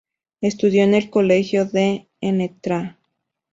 Estudió en el Colegio de Ntra.